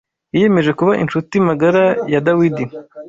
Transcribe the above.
Yiyemeje kuba incuti magara ya Dawidi